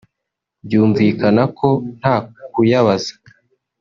byumvikana ko nta kuyabaza